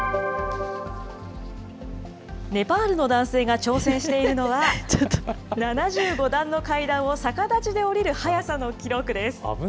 ネパールの男性が挑戦しているのは、７５段の階段を逆立ちで下りる速さの記録です。